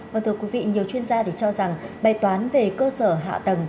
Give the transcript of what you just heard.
vâng thưa quý vị nhiều chuyên gia thì cho rằng bài toán về cơ sở hạ tầng